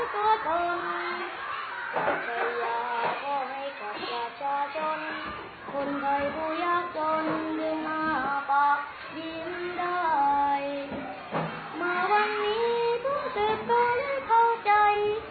หลวงทุกคนสุดท้ายอยากขอให้กับชาชนคนไทยผู้ยักษ์ชนดึงหาปากบินได้